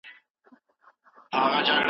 د بېوسۍ حد ته مې ګوره